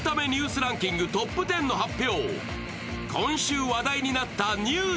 ランキングトップ１０の発表。